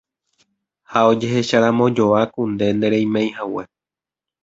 ha ojecheramojoa ku nde ndereimeihague